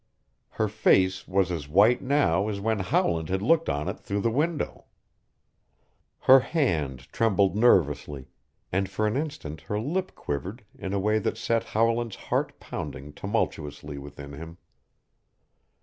Her face was as white now as when Howland had looked on it through the window. Her hand trembled nervously and for an instant her lip quivered in a way that set Howland's heart pounding tumultuously within him.